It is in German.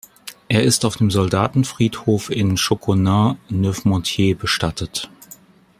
Er ist auf dem Soldatenfriedhof in Chauconin-Neufmontiers bestattet.